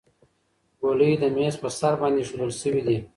ګولۍ د میز په سر باندې ایښودل شوې دي.